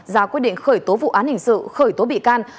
ra quyết định khởi tố vụ án hình sự khởi tố bị can